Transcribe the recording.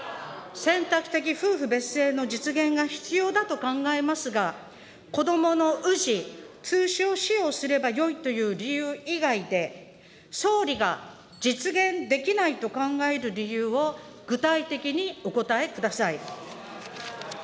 選択的夫婦別姓の実現が必要だと考えますが、子どもの氏、通称使用すればよいという理由以外で、総理が実現できないと考える理由を具体的にお答えください。